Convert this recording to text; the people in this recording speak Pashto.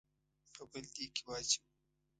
په بل دېګ کې واچوو.